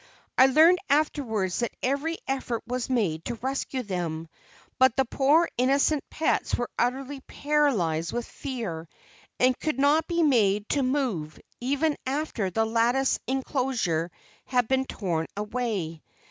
I learned afterwards that every effort was made to rescue them, but the poor innocent pets were utterly paralyzed with fear, and could not be made to move, even after the lattice inclosure had been torn away.